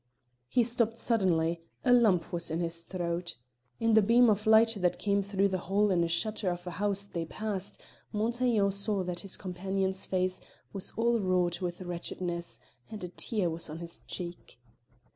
He stopped suddenly; a lump was in his throat. In the beam of light that came through the hole in a shutter of a house they passed, Montaiglon saw that his companion's face was all wrought with wretchedness, and a tear was on his cheek.